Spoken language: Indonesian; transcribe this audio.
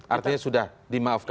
artinya sudah dimaafkan